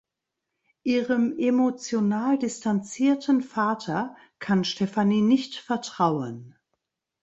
Ihrem emotional distanzierten Vater kann Stephanie nicht vertrauen.